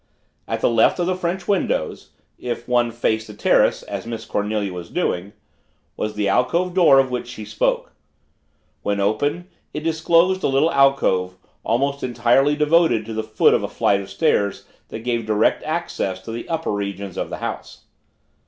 At the left of the French windows (if one faced the terrace as Miss Cornelia was doing) was the alcove door of which she spoke. When open, it disclosed a little alcove, almost entirely devoted to the foot of a flight of stairs that gave direct access to the upper regions of the house.